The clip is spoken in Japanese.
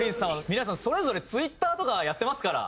皆さんそれぞれＴｗｉｔｔｅｒとかやってますから。